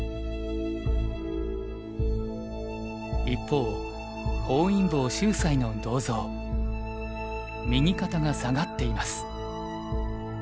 一方本因坊秀哉の銅像右肩が下がっています。